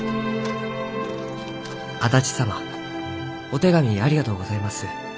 「足達様お手紙ありがとうございます。